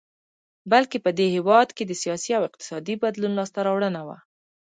بلکې په دې هېواد کې د سیاسي او اقتصادي بدلون لاسته راوړنه وه.